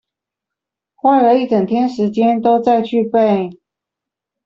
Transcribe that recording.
花了一整天時間都在去背